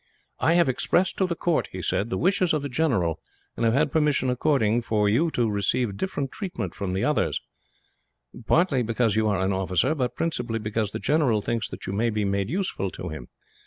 "I have expressed to the court," he said, "the wishes of the general, and have had permission accorded for you to receive different treatment from the others; partly because you are an officer, but principally because the general thinks that you may be made useful to him.